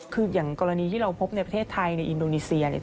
คืออย่างกรณีที่เราพบในประเทศไทยในอินโดนีเซียเนี่ย